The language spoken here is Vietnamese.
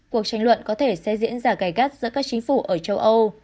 cuộc tranh luận có thể sẽ diễn ra gai gắt giữa các chính phủ ở châu âu